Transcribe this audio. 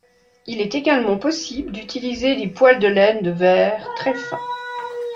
Il est également possible d'utiliser des poils de laine de verre très fins.